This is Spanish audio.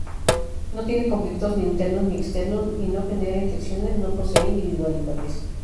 No tiene conflictos ni internos ni externos, no genera inflexiones, no posee individualidades.